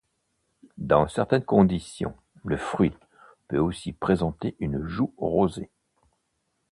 Dans certaines conditions, le fruit peut aussi présenter une joue rosée.